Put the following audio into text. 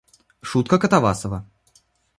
Шутка Катавасова.